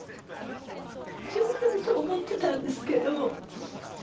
「自分でもそう思ってたんですけど」